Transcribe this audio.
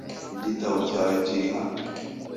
Igitabo cyawe kiri hano.